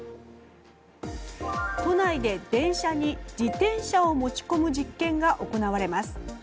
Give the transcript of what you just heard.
都内で電車に自転車を持ち込む実験が行われます。